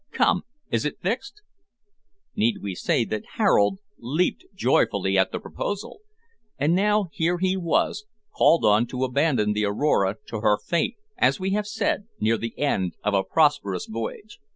Come, is it fixed?" Need we say that Harold leaped joyfully at the proposal? And now, here he was, called on to abandon the `Aurora' to her fate, as we have said, near the end of a prosperous voyage.